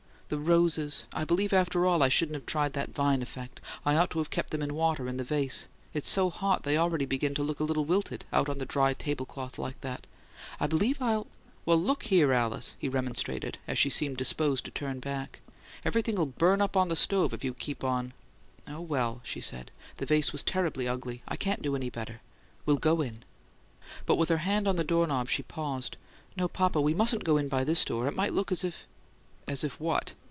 "The roses. I believe after all I shouldn't have tried that vine effect; I ought to have kept them in water, in the vase. It's so hot, they already begin to look a little wilted, out on the dry tablecloth like that. I believe I'll " "Why, look here, Alice!" he remonstrated, as she seemed disposed to turn back. "Everything'll burn up on the stove if you keep on " "Oh, well," she said, "the vase was terribly ugly; I can't do any better. We'll go in." But with her hand on the door knob she paused. "No, papa. We mustn't go in by this door. It might look as if " "As if what?"